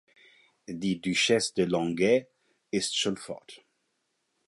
Die Duchesse de Langeais ist schon fort.